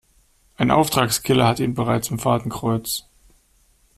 Ein Auftragskiller hat ihn bereits im Fadenkreuz.